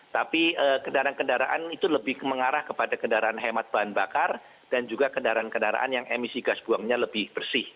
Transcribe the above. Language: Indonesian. tapi kendaraan kendaraan itu lebih mengarah kepada kendaraan hemat bahan bakar dan juga kendaraan kendaraan yang emisi gas buangnya lebih bersih